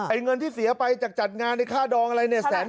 เงินที่เสียไปจากจัดงานในค่าดองอะไรเนี่ย